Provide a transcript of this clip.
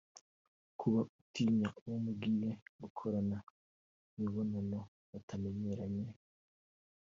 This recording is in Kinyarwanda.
Kuba utinya uwo mugiye gukorana imibonano( mutamenyeranye )